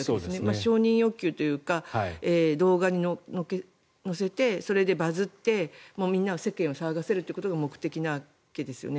承認欲求というか動画に乗せてそれでバズってみんなを世間を騒がせるのが目的だということですよね。